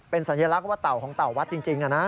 เป็นสัญลักษณ์ว่าเต่าของเต่าวัดจริง